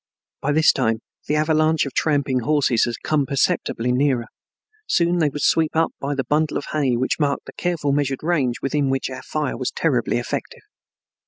By this time the avalanche of tramping horses had come perceptibly nearer. Soon they would sweep by the bundle of hay which marked the carefully measured range within which our fire was terribly effective.